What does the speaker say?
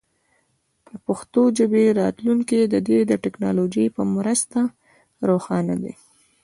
د پښتو ژبې راتلونکی د دې ټکنالوژۍ په مرسته روښانه دی.